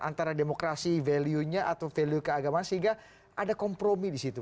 antara demokrasi value nya atau value keagamaan sehingga ada kompromi di situ